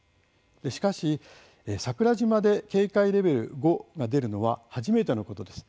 しかし、桜島で警戒レベル５が出るのは初めてのことです。